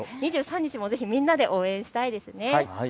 ２３日もぜひみんなで応援したいですね。